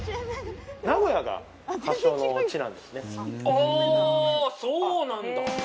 ああそうなんだ